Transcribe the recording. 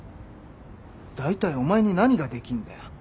だいたいお前に何ができんだよ？